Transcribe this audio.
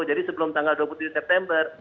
jadi sebelum tanggal dua puluh tujuh september